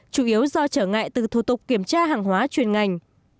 chủ yếu do trở ngại từ thủ tục kiểm tra hàng hóa chuyên ngành